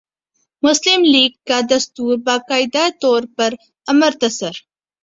مسلم لیگ کا دستور باقاعدہ طور پر امرتسر